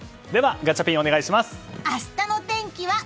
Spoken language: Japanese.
ガチャピンお願いします。